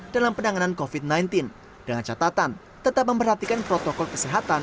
dalam penanganan covid sembilan belas dengan catatan tetap memperhatikan protokol kesehatan